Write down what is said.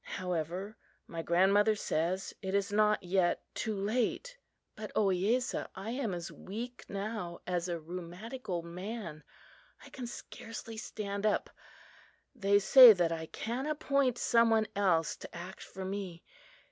However, my grandmother says it is not yet too late. But, Ohiyesa, I am as weak now as a rheumatic old man. I can scarcely stand up. They say that I can appoint some one else to act for me.